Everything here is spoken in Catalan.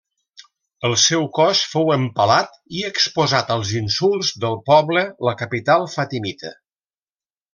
El seu cos fou empalat i exposat als insults del poble la capital fatimita.